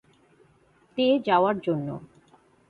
তে যাওয়ার জন্য।